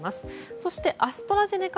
そしてアストラゼネカ